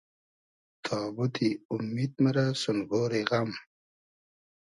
تابوتی اومید مئرۂ سون گۉری غئم